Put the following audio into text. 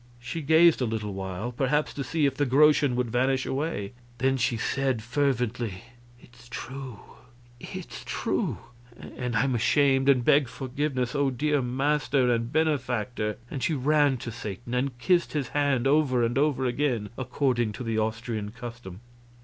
She gazed a little while, perhaps to see if the groschen would vanish away; then she said, fervently: "It's true it's true and I'm ashamed and beg forgiveness, O dear master and benefactor!" And she ran to Satan and kissed his hand, over and over again, according to the Austrian custom.